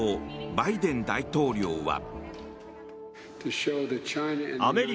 バイデン大統領は。